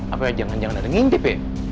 apalagi jangan jangan ada ngintip ya